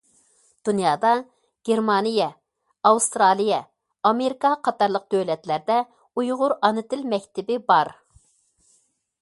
دۇنيادا گېرمانىيە، ئاۋسترالىيە، ئامېرىكا قاتارلىق دۆلەتلەردە ئۇيغۇر ئانا تىل مەكتىپى بار.